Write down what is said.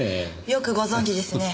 よくご存じですね。